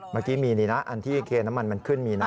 เมื่อกี้มีนี่นะอันที่เคนน้ำมันมันขึ้นมีนะ